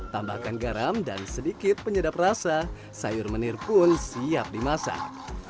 tambahkan garam dan sedikit penyedap rasa sayur menir pun siap dimasak